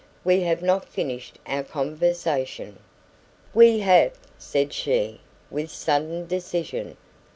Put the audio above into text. "We have not finished our conversation. "We have!" said she, with sudden decision.